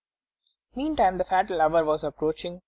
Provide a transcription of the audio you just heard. Meantime the fatal hour was approaching.